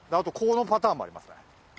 とこのパターンもありますね。